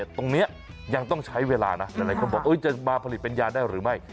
ตรงนี้ยังต้องใช้เวลานะหลายคนบอกจะมาผลิตเป็นยาได้หรือไม่